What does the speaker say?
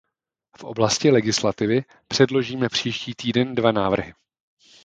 V oblasti legislativy předložíme příští týden dva návrhy.